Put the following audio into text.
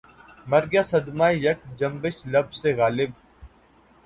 مر گیا صدمۂ یک جنبش لب سے غالبؔ